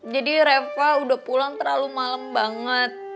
jadi reva udah pulang terlalu malem banget